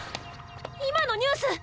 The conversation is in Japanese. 今のニュース。